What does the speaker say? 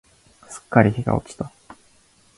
すっかり日が落ちた。